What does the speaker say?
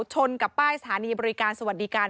ชนกับป้ายสถานีบริการสวัสดิการ